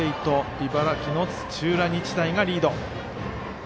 茨城の土浦日大がリード。